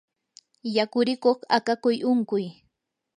yakurikuq akakuy unquy